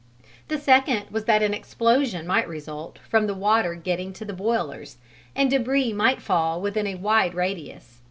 The second was that an explosion might result from the water getting to the boilers, and dèbris might fall within a wide radius.